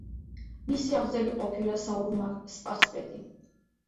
მისი აღმზრდელი ყოფილა საურმაგ სპასპეტი.